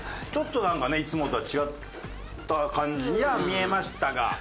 ちょっとなんかねいつもとは違った感じには見えましたが。